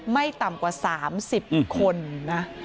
ไม่ต่ำกว่า๓๐คนนะ